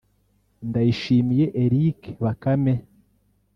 Ndayishimiye Eric Bakame